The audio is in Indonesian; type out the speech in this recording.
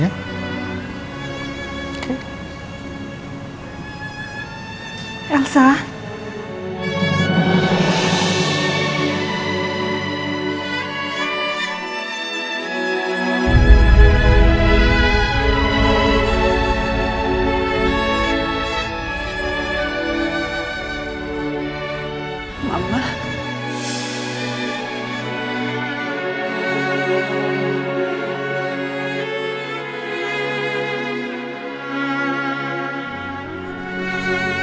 nanti kalau elsa lihat kamu sedih dia jadi sedih juga ya